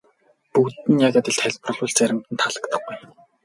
Бүгдэд нь яг адил тайлбарлавал заримд нь таалагдахгүй.